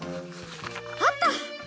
あった！